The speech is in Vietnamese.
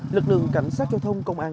lực lượng cảnh sát giao thông công an